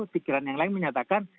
pikiran yang lain menyatakan